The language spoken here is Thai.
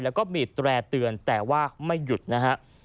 แล้วก็บีดแตร่เตือนแต่ว่าไม่หยุดนะฮะ